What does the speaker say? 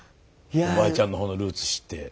おばあちゃんの方のルーツ知って。